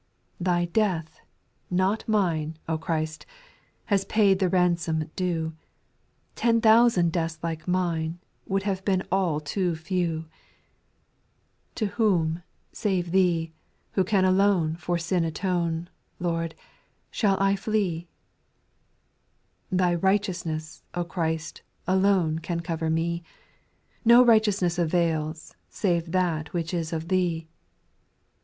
Thy death, not mine, O Christ I Has paid the ransom due ; Ten thousand deaths like mine. Would have been all too few. To whom, save Thee, etc 6. Thy righteousness, O Christ I Alone can cover me ; No righteousness avails, Save that which is of Thee.